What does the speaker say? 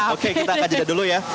oke kita akan jeda dulu ya